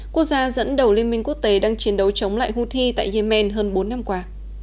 quốc gia dẫn đầu liên minh quốc tế đang chiến đấu chống lại houthi tại yemen hơn bốn năm qua